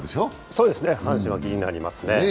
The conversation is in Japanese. そうですね、やっぱり阪神は気になりますね。